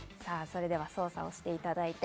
それでは操作をしていただいて。